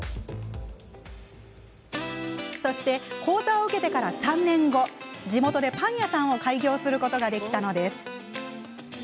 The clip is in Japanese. そして講座を受けてから３年後地元でパン屋さんを開業することができたのです。